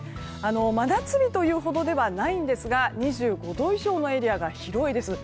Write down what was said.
真夏日というほどではないんですが２５度以上のエリアが広いです。